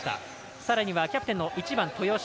さらにはキャプテンの１番、豊島。